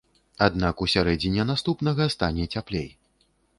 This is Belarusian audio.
Аднак у сярэдзіне наступнага стане цяплей.